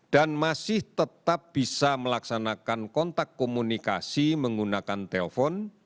dan masih tetap bisa melaksanakan kontak komunikasi menggunakan telepon